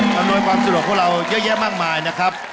อำนวยความสะดวกพวกเราเยอะแยะมากมายนะครับ